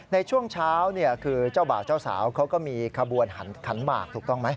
ในช่วงเช้าคือเจ้าบ่าวเจ้าสาวเขาก็มีขบวนหันหมากถูกต้องไหม